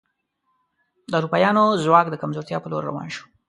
د اروپایانو ځواک د کمزورتیا په لور روان شو.